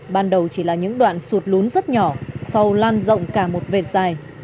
ban đầu chỉ là những đoạn sụt lún rất nhỏ sau lan rộng cả một vệt dài